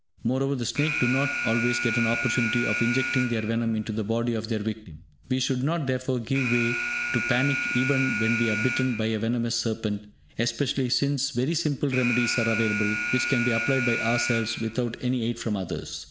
Moreover, the snakes do not always get an opportunity of injecting their venom into the body of their victim. We should not, therefore, give way to panic even when we are bitten by a venomous serpent, especially since very simple remedies are available, which can be applied by ourselves without any aid from others.